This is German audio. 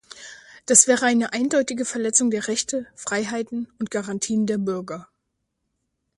Das wäre eine eindeutige Verletzung der Rechte, Freiheiten und Garantien der Bürger.